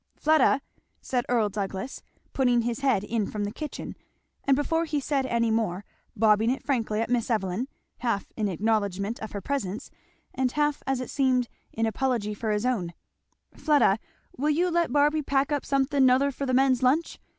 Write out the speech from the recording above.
"Fleda," said Earl Douglass putting his head in from the kitchen, and before he said any more bobbing it frankly at Miss Evelyn, half in acknowledgment of her presence and half as it seemed in apology for his own, "Fleda, will you let Barby pack up somethin' 'nother for the men's lunch?